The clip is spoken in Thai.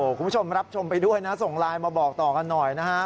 คุณผู้ชมรับชมไปด้วยนะส่งไลน์มาบอกต่อกันหน่อยนะฮะ